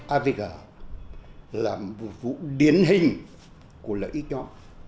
avg là một vụ điển hình của lợi ích nhóm